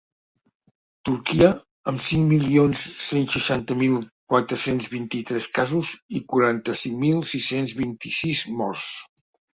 Turquia, amb cinc milions cent seixanta mil quatre-cents vint-i-tres casos i quaranta-cinc mil sis-cents vint-i-sis morts.